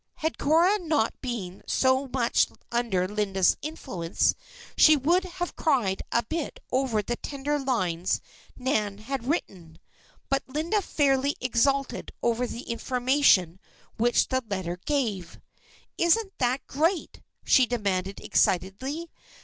Had Cora not been so much under Linda's influence she would have cried a bit over the tender lines Nan had written. But Linda fairly exulted over the information which the letter gave. "Isn't that great," she demanded excitedly.